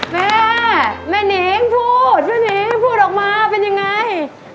แม่แม่นิงพูดแม่นิงพูดออกมาเป็นยังไง